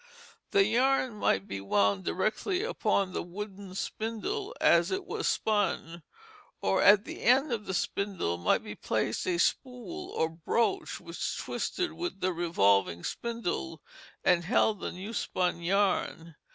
The yarn might be wound directly upon the wooden spindle as it was spun, or at the end of the spindle might be placed a spool or broach which twisted with the revolving spindle, and held the new spun yarn.